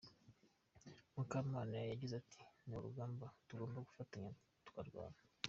Mukamana yagize ati “Ni urugamba tugomba gufatanya tukarwana.